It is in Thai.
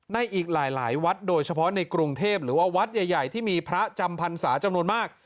ในอีกหลายวัดโดยเฉพาะในกรุงเทพหรือว่าวัดใหญ่ที่มีพระจำพรรษาจำนวนมาก